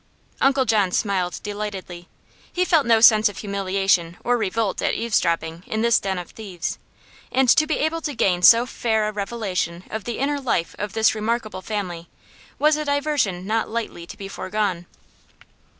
Uncle John smiled delightedly. He felt no sense of humiliation or revolt at eavesdropping in this den of thieves, and to be able to gain so fair a revelation of the inner life of this remarkable family was a diversion not lightly to be foregone.